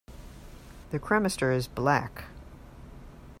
The cremaster is black.